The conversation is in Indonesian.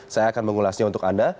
saya akan mengulasnya untuk anda